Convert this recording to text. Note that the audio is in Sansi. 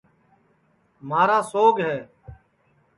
ماچھراڑے کا سوگ ہے